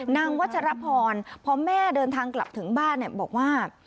วัชรพรพอแม่เดินทางกลับถึงบ้านบอกว่า